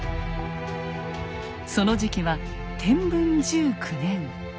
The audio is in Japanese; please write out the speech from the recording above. その時期は天文１９年。